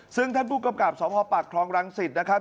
ซึ่งท่านผู้กำกับสภปากคลองรังสิตนะครับ